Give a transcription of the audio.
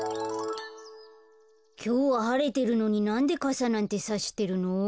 きょうははれてるのになんでかさなんてさしてるの？